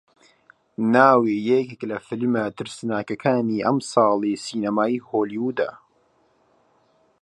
ناوی یەکێک لە فیلمە ترسناکەکانی ئەمساڵی سینەمای هۆلیوودە